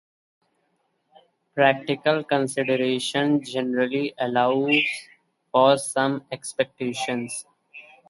Practical considerations generally allow for some exceptions.